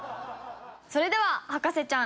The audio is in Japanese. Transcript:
それでは博士ちゃん